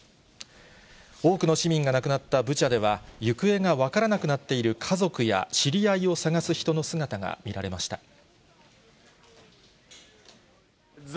多くの市民が亡くなったブチャでは、行方が分からなくなっている家族や、知り合いを捜す人の姿が見られました。